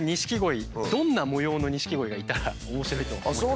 どんな模様の錦鯉がいたら面白いと思いますか？